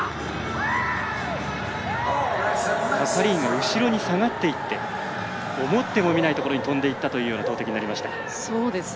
係員が後ろに下がっていって思ってもみない所に飛んでいった投てきになりました。